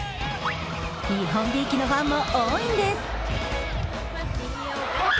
日本びいきのファンも多いんです。